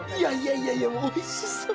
いやいやおいしそう。